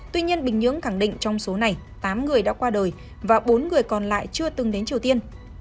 tuy nhiên bình nhưỡng khẳng định trong số này tám người đã qua đời và bốn người còn lại chưa từng đến triều tiên